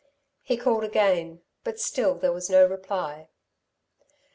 He called again; but still there was no reply.